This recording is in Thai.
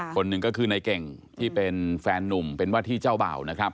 คนหนึ่งก็คือในเก่งที่เป็นแฟนนุ่มเป็นว่าที่เจ้าเบ่านะครับ